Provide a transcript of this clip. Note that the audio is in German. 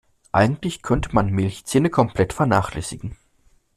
Eigentlich könnte man Milchzähne komplett vernachlässigen.